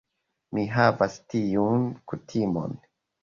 Mi havas tiun kutimon.